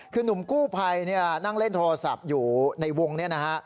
คือหนุ่มกู้ภัยนั่งเล่นโทรศัพท์อยู่ในวงนี้นะฮะ